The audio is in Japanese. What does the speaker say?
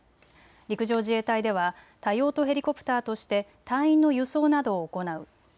陸上自衛隊では多用途ヘリコプターとして隊員の輸送などを行う。